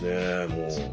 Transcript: もう。